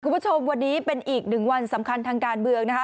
คุณผู้ชมวันนี้เป็นอีก๑วันสำคัญทางการเบื้อง